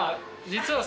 実は。